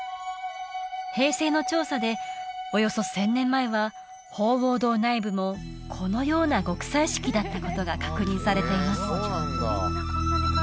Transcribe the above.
平成の調査でおよそ１０００年前は鳳凰堂内部もこのような極彩色だったことが確認されています